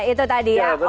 itu tadi ya